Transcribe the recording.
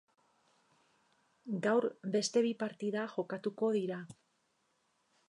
Gaur beste bi partida jokatuko dira.